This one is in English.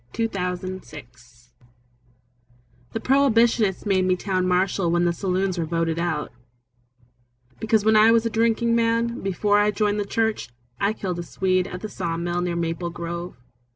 The Town Marshal The Prohibitionists made me Town Marshal When the saloons were voted out, Because when I was a drinking man, Before I joined the church, I killed a Swede At the saw mill near Maple Grove.